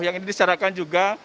yang ini disyaratkan juga